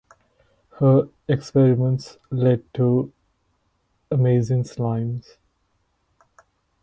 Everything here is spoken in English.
Her experiments lead to amazing slimes.